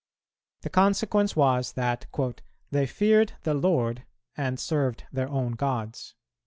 The consequence was, that "they feared the Lord and served their own gods."